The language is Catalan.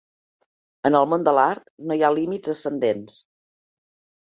En el món de l'art no hi ha límits ascendents.